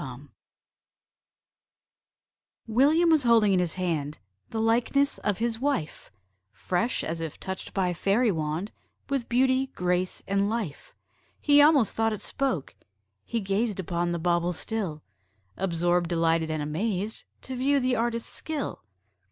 William was holding in his hand The likeness of his wife! Fresh, as if touched by fairy wand, With beauty, grace, and life. He almost thought it spoke: he gazed Upon the bauble still, Absorbed, delighted, and amazed, To view the artist's skill.